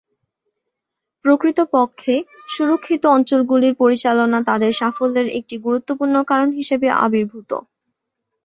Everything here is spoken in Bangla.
প্রকৃতপক্ষে, সুরক্ষিত অঞ্চলগুলির পরিচালনা তাদের সাফল্যের একটি গুরুত্বপূর্ণ কারণ হিসাবে আবির্ভূত।